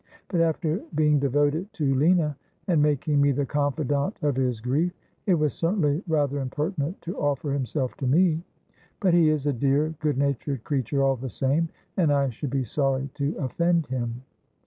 But, after being devoted to Lina, and making me the confidante of his grief, it was certainly rather impertinent to offer himself to me. But he is a dear good natured creature all the same, and I should be sorry to offend him.'